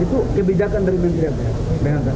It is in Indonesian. itu kebijakan dari menteri apa